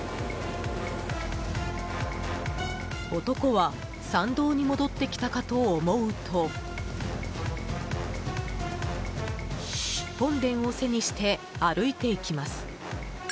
男は参道に戻ってきたかと思うと本殿を背にして歩いていきます。